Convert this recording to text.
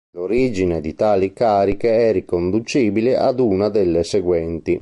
L'origine di tali cariche è riconducibile ad una delle seguenti.